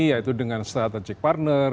yaitu dengan strategic partner